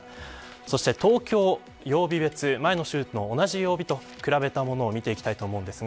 そして東京、曜日別前の週の同じ曜日と比べたものを見ていきます。